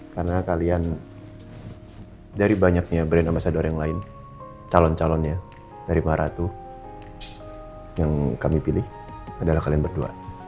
karena kalian dari banyaknya brand ambasador yang lain calon calonnya dari maratu yang kami pilih adalah kalian berdua